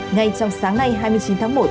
ngay trong sáng nay hai mươi chín tháng một